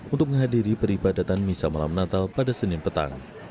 untuk menghadiri peribadatan misa malam natal pada senin petang